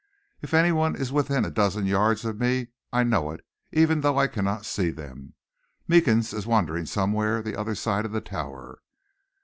If any one is within a dozen yards of me I know it, even though I cannot see them. Meekins is wandering somewhere the other side of the Tower."